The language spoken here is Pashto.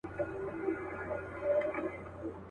دا د مرګي له چېغو ډکه شپېلۍ.